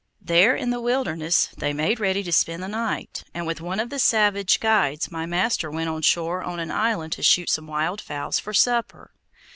There, in the wilderness, they made ready to spend the night, and with one of the savage guides my master went on shore on an island to shoot some wild fowls for supper.